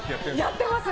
やってます。